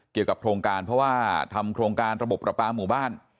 เกี่ยวกับโครงการเพราะว่าทำโครงการระบบประปาหมู่บ้าน